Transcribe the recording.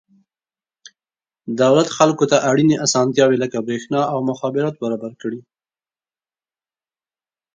دولت خلکو ته اړینې اسانتیاوې لکه برېښنا او مخابرات برابر کړي.